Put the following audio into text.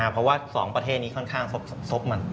เพราะว่า๒ประเทศนี้ค่อนข้างซบมัน